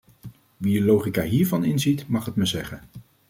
Wie de logica hiervan inziet, mag het me zeggen.